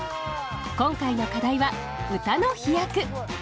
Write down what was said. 今回の課題は「歌の飛躍」。